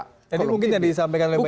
jadi mungkin yang disampaikan lebih banyak